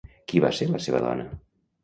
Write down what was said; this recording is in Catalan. Qui va ser la seva dona?